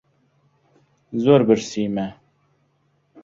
زۆر برسیمە.